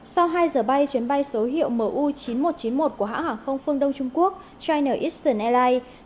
sau hai giờ bay chuyến bay số hiệu mu chín nghìn một trăm chín mươi một của hãng hàng không phương đông trung quốc china isian airlines